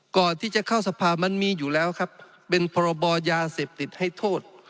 ก่อนที่จะเข้าสภามันมีอยู่แล้วครับเป็นพรบยาเสพติดให้โทษ